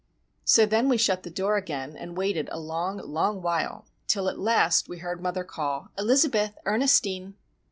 So then we shut the door again, and waited a long, long while; till, at last, we heard mother call:— "Elizabeth! Ernestine!"